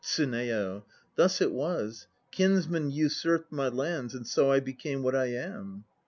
TSUNEYO. Thus it was: kinsmen usurped my lands, and so I became what I am.